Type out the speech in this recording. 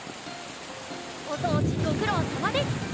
おそうじごくろうさまです！